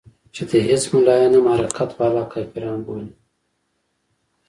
چې د حزب ملايان هم حرکت والا کافران بولي.